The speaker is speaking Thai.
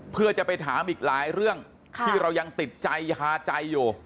เพื่อจะไปถามอีกหลายเรื่องที่เรายังติดใจฮาใจอยู่